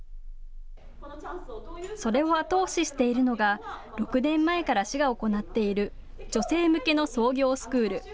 それを後押ししているのが６年前から市が行っている女性向けの創業スクール。